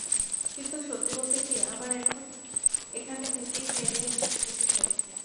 কিন্তু সত্যি বলতে কি, আমি এখন এখানে থেকেই ক্যারিয়ার শেষ করতে চাই।